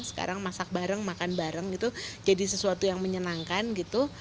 sekarang masak bareng makan bareng itu jadi sesuatu yang menyenangkan gitu